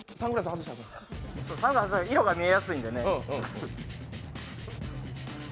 外すと色が見えやすいんでね